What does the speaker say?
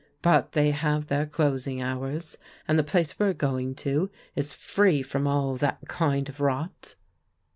But they have their closing hours, and the place we're going to is free from all that kind of rot."